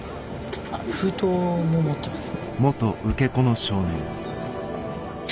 あっ封筒も持ってます。